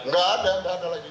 gak ada gak ada lagi